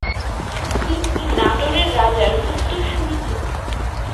তিনি নাটোরের রাজার উত্তরসূরি ছিলেন।